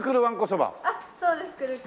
そうです。